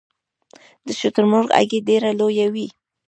د شترمرغ هګۍ ډیره لویه وي